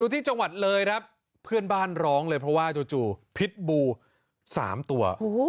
ที่จังหวัดเลยครับเพื่อนบ้านร้องเลยเพราะว่าจู่พิษบู๓ตัว